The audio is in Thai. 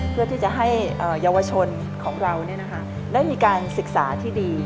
เพื่อที่จะให้เยาวชนของเราได้มีการศึกษาที่ดี